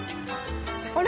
あれ？